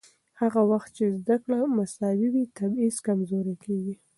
هغه وخت چې زده کړه مساوي وي، تبعیض کمزورې کېږي.